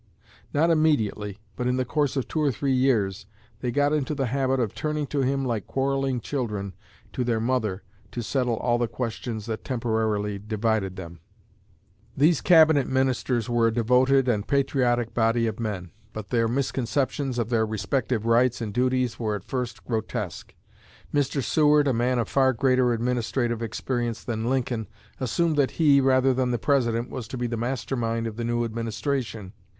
Not immediately, but in the course of two or three years, they got into the habit of turning to him like quarrelling children to their mother to settle all the questions that temporarily divided them." These Cabinet ministers were a devoted and patriotic body of men, but their misconceptions of their respective rights and duties were at first grotesque. Mr. Seward, a man of far greater administrative experience than Lincoln, assumed that he, rather than the President, was to be the master mind of the new administration.